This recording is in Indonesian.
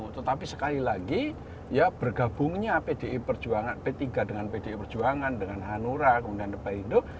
tetapi sekali lagi ya bergabungnya pdi perjuangan p tiga dengan pdi perjuangan dengan hanura kemudian depan indo